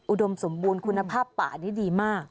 อุดมสมบูรณ์คุณภาพป่านี่ดีมาก